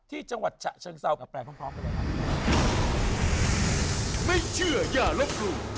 ที่จังหวัดฉะเชิงเซากับแปลงพร้อมกันเลยครับ